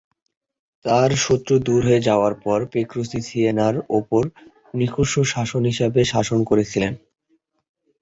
তার শত্রুরা দূর হয়ে যাওয়ার পর, পেত্রুচি সিয়েনার ওপর নিরঙ্কুশ শাসক হিসেবে শাসন করেছিলেন।